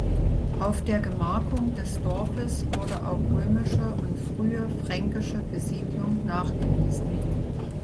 Auf der Gemarkung des Dorfes wurde auch römische und frühe fränkische Besiedlung nachgewiesen.